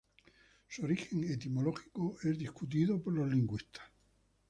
Su origen etimológico es discutido por los lingüistas.